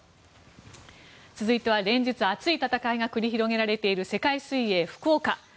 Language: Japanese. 続いては、連日熱い戦いが繰り広げられている世界水泳福岡。